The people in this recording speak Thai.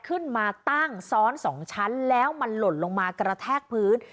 ขึ้นมาตั้งซ้อน๒ชั้นแล้วมันหล่นลงมากระแทกพื้น